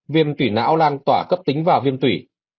viêm tủy não lan tỏa cấp tính và viêm tủy